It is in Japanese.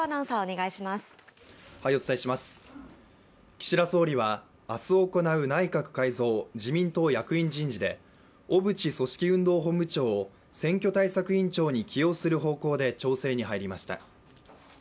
岸田総理は明日行う内閣改造・自民党役員人事で小渕組織運動本部長を選挙対策委員長に起用する方向で調整に入りました。